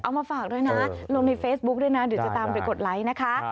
เอามาฝากด้วยนะลงในเฟซบุ๊คด้วยนะเดี๋ยวจะตามไปกดไลค์นะคะ